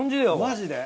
マジで？